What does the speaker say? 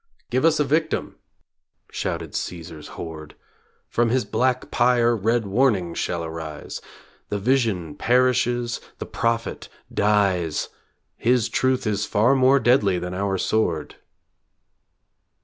Give us a victim, shouted Caesar's horde, From his black pyre red warnings shall arise, The vision perishes, the prophet dies. .. His truth is far more deadly than our sword!